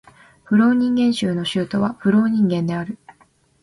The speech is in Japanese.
フローニンゲン州の州都はフローニンゲンである